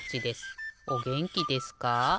おげんきですか？